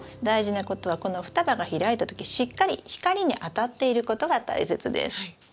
大事なことはこの双葉が開いた時しっかり光に当たっていることが大切です。